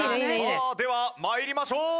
では参りましょう。